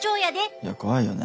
いや怖いよね。